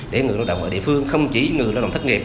để người lao động ở địa phương không chỉ người lao động thất nghiệp